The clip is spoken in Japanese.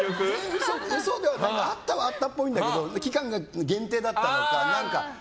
嘘ではないあったはあったっぽいんだけど期間が限定だったのか何かで。